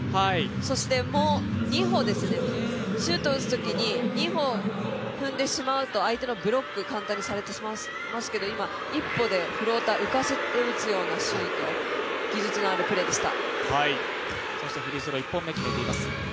そしてもう２歩、シュートを打つときに２歩踏んでしまうと相手のブロック、簡単にされてしまいますけど、今、一歩でフローター、浮かせて打つようなシュート技術のあるプレーでした。